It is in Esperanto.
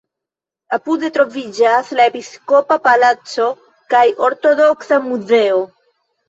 Apude troviĝas la episkopa palaco kaj ortodoksa muzeo.